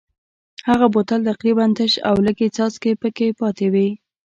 هغه بوتل تقریبا تش و او لږې څاڅکې پکې پاتې وې.